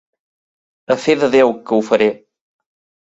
A fe de Déu, que ho faré!